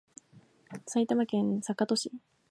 埼玉県坂戸市